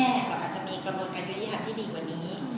เราอาจจะมีกระบวนการยุติธรรมที่ดีกว่านี้